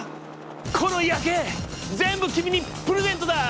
この夜景全部君にプレゼントだ！